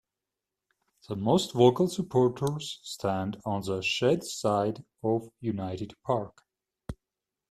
The most vocal supporters stand on "the shed side" of United Park.